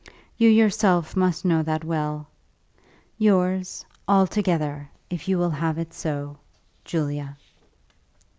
You yourself must know that well. Yours, altogether if you will have it so, JULIA.